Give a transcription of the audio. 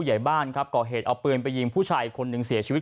ใหญ่บ้านครับก่อเหตุเอาปืนไปยิงผู้ชายคนหนึ่งเสียชีวิต